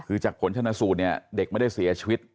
คือจากผลชนสูตรเนี่ยเด็กไม่ได้เสียชีวิต